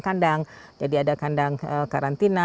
kandang jadi ada kandang karantina